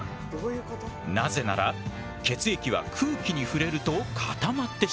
なぜなら血液は空気に触れると固まってしまう。